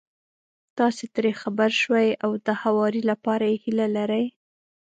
تاسې ترې خبر شوي او د هواري لپاره يې هيله لرئ.